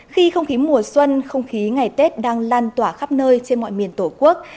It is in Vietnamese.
khi không khí mùa xuân không khí ngày tết đang lan tỏa khắp nơi trên mọi miền tổ quốc